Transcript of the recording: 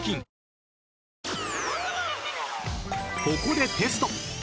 ［ここでテスト！